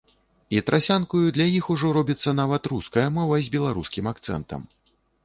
І трасянкаю для іх ужо робіцца нават руская мова з беларускім акцэнтам.